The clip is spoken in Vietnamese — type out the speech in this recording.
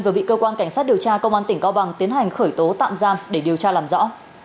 vừa bị cơ quan cảnh sát điều tra công an tỉnh cao bằng tiến hành khởi tố tạm giam để điều tra làm rõ